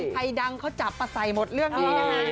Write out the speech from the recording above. ใครดังเขาจับมาใส่หมดเรื่องนี้นะฮะ